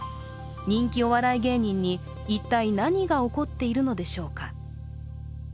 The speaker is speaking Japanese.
人気お笑い芸人に一体、何が起こっているのでしょうか。